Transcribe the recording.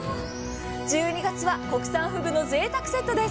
１２月は国産ふぐの贅沢セットです。